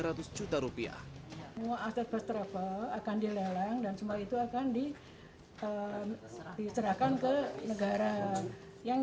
semua aset first travel akan dilelang dan semua itu akan diserahkan ke negara yang